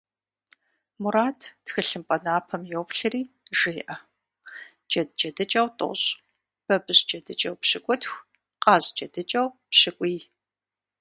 Мурат, тхылъымпӀэ напэм йоплъри, жеӀэ: Джэд джэдыкӀэу тӀощӀ, бабыщ джэдыкӀэу пщыкӀутх, къаз джэдыкӀэу пщыкӀуий.